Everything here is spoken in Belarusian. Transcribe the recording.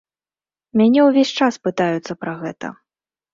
Мяне ўвесь час пытаюцца пра гэта.